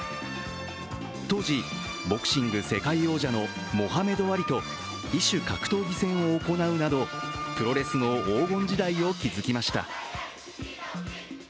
当時ボクシング世界王者のモハメド・アリと異種格闘技戦を行うなど、プロレスの黄金時代を築きました。